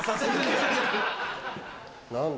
何だ？